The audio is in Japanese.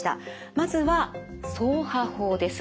まずは掻爬法です。